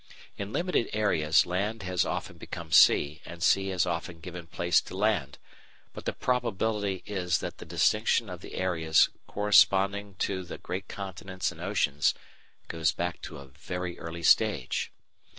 In limited areas land has often become sea, and sea has often given place to land, but the probability is that the distinction of the areas corresponding to the great continents and oceans goes back to a very early stage.